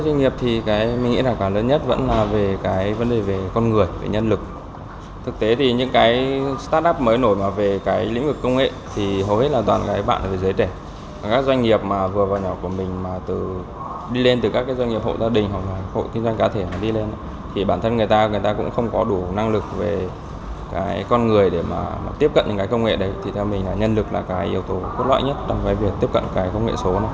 nhân lực là yếu tố cốt lõi nhất trong việc tiếp cận công nghệ số